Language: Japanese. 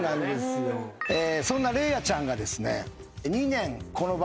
そんな礼愛ちゃんがですね。